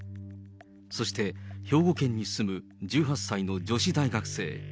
そして、兵庫県に住む１８歳の女子大学生。